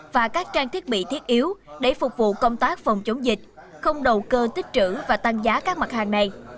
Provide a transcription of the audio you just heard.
và các trang thiết bị thiết yếu để phục vụ công tác phòng chống dịch không đầu cơ tích trữ và tăng giá các mặt hàng này